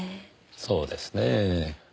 そうですねぇ。